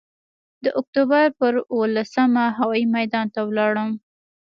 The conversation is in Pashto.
د اکتوبر پر اوولسمه هوايي میدان ته ولاړم.